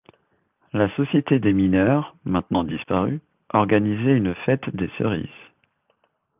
La société des mineurs, maintenant disparue, organisait une fête des cerises.